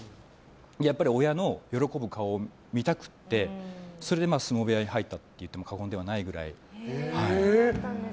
やっぱり親の喜ぶ顔を見たくてそれで相撲部屋に入ったといっても過言ではないくらい。